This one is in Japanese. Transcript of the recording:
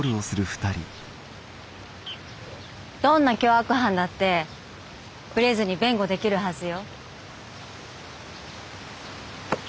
どんな凶悪犯だってぶれずに弁護できるはずよ。